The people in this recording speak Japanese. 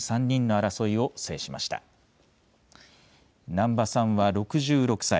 難波さんは６６歳。